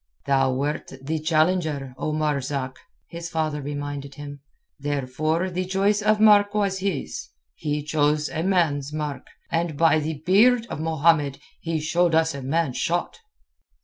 "Thou wert the challenger, O Marzak," his father reminded him. "Therefore the choice of mark was his. He chose a man's mark, and by the beard of Mohammed, he showed us a man's shot."